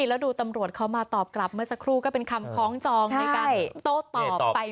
แล้วดูตำรวจเขามาตอบกลับเมื่อสักครู่ก็เป็นคำคล้องจองในการโต้ตอบไป